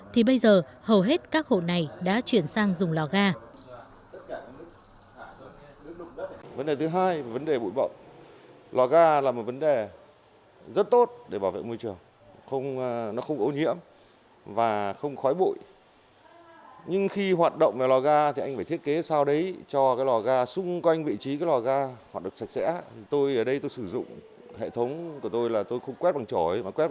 thì bây giờ hầu hết các hộ này đã chuyển sang dùng lò ga